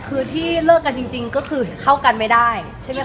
แต่ที่เลิกกันจริงก็คือเข้ากันไม่ได้